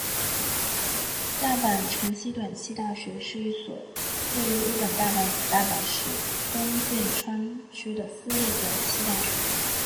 大阪成蹊短期大学是一所位于日本大阪府大阪市东淀川区的私立短期大学。